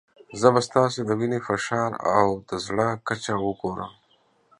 زه به ستاسو د وینې فشار او د زړه کچه وګورم.